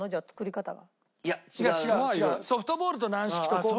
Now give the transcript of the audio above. ソフトボールと軟式と硬球は。